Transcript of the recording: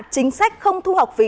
chính sách không thu học phí